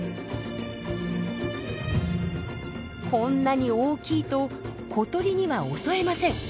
こんなに大きいと小鳥には襲えません。